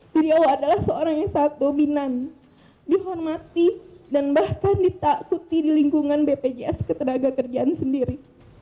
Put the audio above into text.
beliau adalah seorang yang sangat dominan dihormati dan bahkan ditakuti di lingkungan bpjs ketenaga kerjaan sendiri